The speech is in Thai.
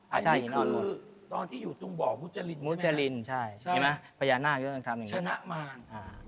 อันนี้คือตอนที่อยู่ตรงบ่อมุจจริงใช่ไหมครับมุจจริงใช่พญานาคต์ก็ทำอย่างนั้น